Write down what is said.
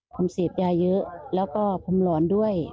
ผมเสพยาเยอะแล้วก็ผมหลอนด้วย